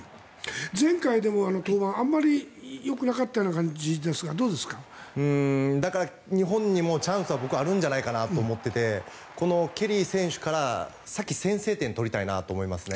前回の登板あまりよくなかった感じですが日本にもチャンスは僕はあるんじゃないかなと思っていてこのケリー選手から、先に先制点を取りたいと思いますね。